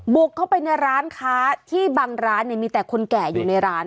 บุกเข้าไปในร้านค้าที่บางร้านมีแต่คนแก่อยู่ในร้าน